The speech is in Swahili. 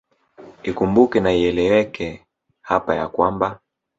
Ikumbukwe na ieleweke hapa ya kwamba